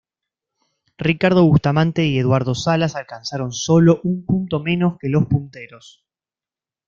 Ricardo Bustamante y Eduardo Salas alcanzaron solo un punto menos que los punteros.